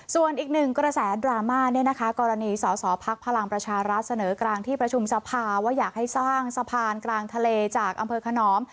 ส่วนอีกหนึ่งกระแสดราม่าเนี่ยนะคะกรณีสอสอพักพลังประชารัฐเสนอกลางที่ประชุมสภาว่าอยากให้สร้างสะพานกลางทะเลจากอำเภอขนอม